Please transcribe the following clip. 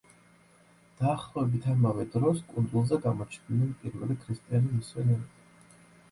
დაახლოებით ამავე დროს კუნძულზე გამოჩნდნენ პირველი ქრისტიანი მისიონერები.